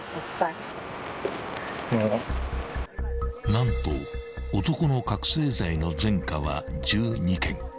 ［何と男の覚醒剤の前科は１２件］